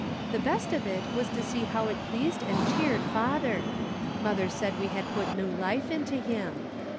The best of it was to see how it pleased and cheered father ; mother said we had put new life into him.